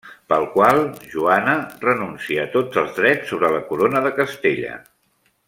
Pel qual Joana renuncia a tots els drets sobre la corona de Castella.